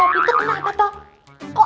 bogi tuh kenapa toh